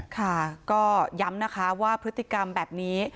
ค่ะก็ย้ำนะคะว่าพฤติกรรมแบบนี้